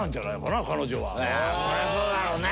そりゃあそうだろうね。